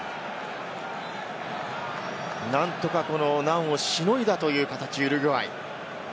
なんとか難をしのいだという形のウルグアイ。